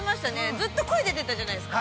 ずっと声出てたじゃないですか。